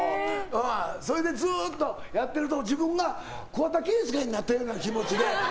それでずっとやってると、自分が桑田佳祐になったような気持ちで。